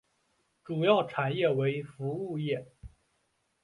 主要产业为服务业。